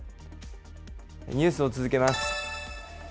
ニュースを続けます。